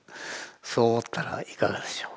そう思ったらいかがでしょう。